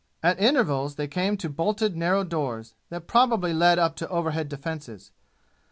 At intervals they came to bolted narrow doors, that probably led up to overhead defenses.